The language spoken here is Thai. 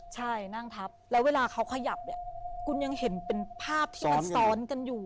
ใช่นั่งทับแล้วเวลาเขาขยับเนี่ยคุณยังเห็นเป็นภาพที่มันซ้อนกันอยู่